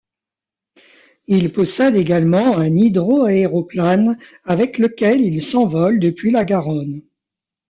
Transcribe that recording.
Il possède également un hydroaéroplane avec lequel il s'envole depuis la Garonne.